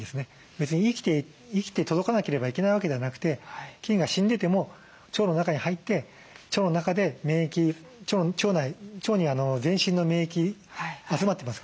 別に生きて届かなければいけないわけではなくて菌が死んでても腸の中に入って腸の中で免疫腸に全身の免疫集まってますからね。